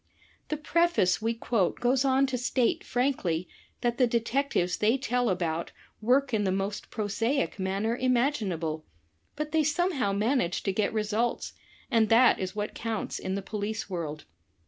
The preface we quote goes on to state frankly that the detectives they tell about, work in the most prosaic manner imaginable, but they somehow manage to get results, and that is what counts in the police world.